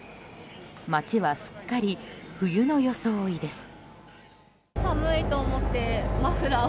街はすっかり冬の装いです。